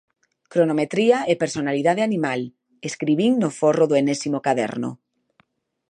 Cronometría e personalidade animal, escribín no forro do enésimo caderno.